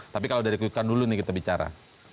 tapi kalau dari quick count dulu nih kita bicara